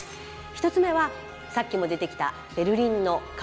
１つ目はさっきも出てきたベルリンの壁。